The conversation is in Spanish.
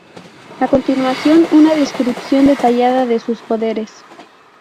A continuación una descripción detallada de sus poderes.